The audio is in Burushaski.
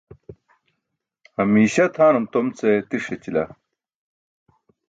Hamiiśa tʰaanum tom ce tiṣ yaćila.